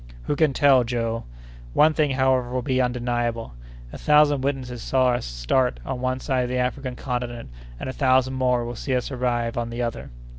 "Who can tell, Joe? One thing, however, will be undeniable: a thousand witnesses saw us start on one side of the African Continent, and a thousand more will see us arrive on the other."